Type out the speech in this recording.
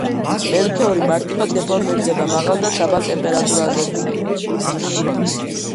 მელქიორი მარტივად დეფორმირდება მაღალ და დაბალ ტემპერატურაზეც.